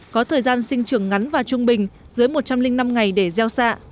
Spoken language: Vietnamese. có thời gian sinh trưởng ngắn và trung bình dưới một trăm linh năm ngày để gieo xạ